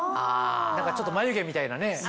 何かちょっと眉毛みたいなね。